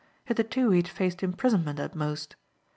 Hitherto he had faced imprisonment at most.